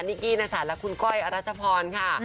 นิกกี้นักศัตริย์และคุณก้อยรัชพรค่ะ